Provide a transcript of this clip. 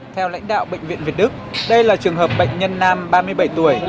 theo lãnh đạo bệnh viện việt đức đây là trường hợp bệnh nhân nam ba mươi bảy tuổi